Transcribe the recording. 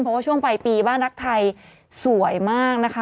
เพราะว่าช่วงปลายปีบ้านรักไทยสวยมากนะคะ